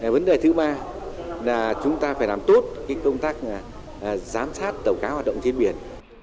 vấn đề thứ ba là chúng ta phải làm tốt công tác giám sát tàu cá hoạt động trên biển